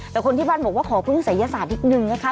แต่คนที่บ้านบอกว่าขอพึ่งศัยศาสตร์นิดนึงนะคะ